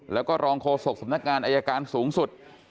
แล้วก็รองโฆษกสำนักงานอายการสูงสุด